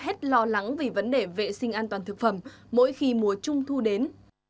người tiêu dùng rất là lo lắng vì vấn đề vệ sinh an toàn thực phẩm mỗi khi mùa trung thu đến